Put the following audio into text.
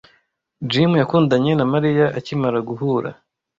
Jim yakundanye na Mariya akimara guhura.